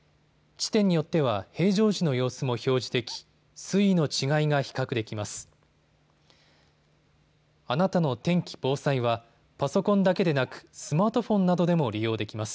地点によっては平常時の様子も表示でき水位の違いが比較できます。